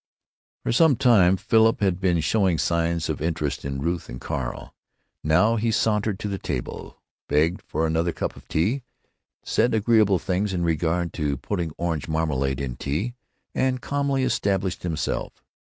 For some time Philip had been showing signs of interest in Ruth and Carl. Now he sauntered to the table, begged for another cup of tea, said agreeable things in regard to putting orange marmalade in tea, and calmly established himself.